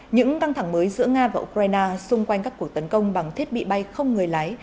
những căng thẳng mới giữa nga và ukraine xung quanh các cuộc tấn công bằng thiết bị bay không người lái